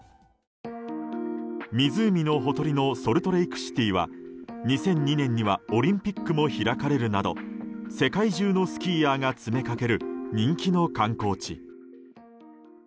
湖のほとりのソルトレークシティーは２００２年にはオリンピックも開かれるなど世界中のスキーヤーが詰めかける人気の観光地。